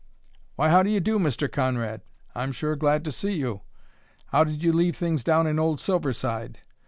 "Why, how do you do, Mr. Conrad! I'm sure glad to see you. How did you leave things down in old Silverside?